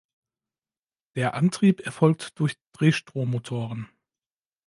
Der Antrieb erfolgt durch Drehstrommotoren.